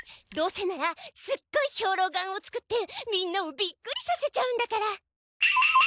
どうせならすっごい兵糧丸を作ってみんなをびっくりさせちゃうんだから！